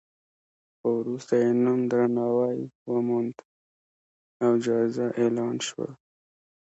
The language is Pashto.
خو وروسته یې نوم درناوی وموند او جایزه اعلان شوه.